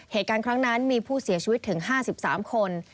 เหตุการณ์ครั้งนั้นมีผู้เสียชีวิตถึง๕๓คน